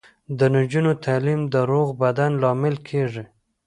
د نجونو تعلیم د روغ بدن لامل کیږي.